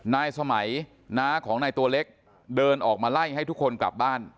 นายสมัยน้าของนายตัวเล็กเดินออกมาไล่ให้ทุกคนกลับบ้าน